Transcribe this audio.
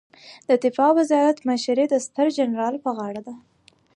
د دفاع وزارت مشري د ستر جنرال په غاړه ده